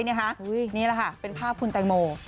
นี่แหละค่ะเป็นภาพคุณแตงโม